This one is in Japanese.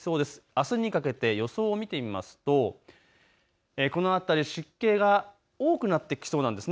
あすにかけて予想を見てみますとこの辺り、湿気が多くなってきそうなんです。